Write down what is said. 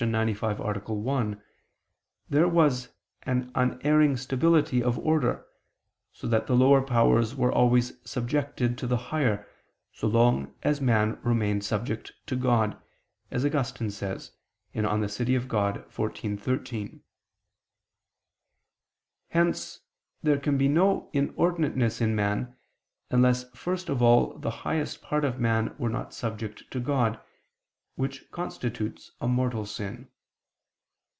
95, A. 1), there was an unerring stability of order, so that the lower powers were always subjected to the higher, so long as man remained subject to God, as Augustine says (De Civ. Dei xiv, 13). Hence there can be no inordinateness in man, unless first of all the highest part of man were not subject to God, which constitutes a mortal sin.